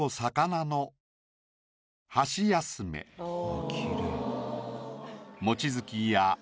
あっきれい。